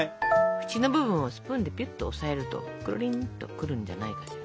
フチの部分をスプーンでぴゅっと押さえるとくるりんとくるんじゃないかしら。